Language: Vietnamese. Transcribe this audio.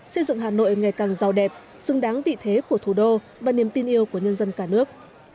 xây dựng hà nội ngày càng giàu đẹp xứng đáng vị thế của thủ đô và niềm tin yêu của nhân dân cả nước